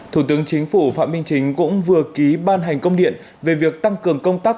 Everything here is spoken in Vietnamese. thủ tướng chính phủ phạm minh chính cũng vừa ký ban hành công điện về việc tăng cường công tác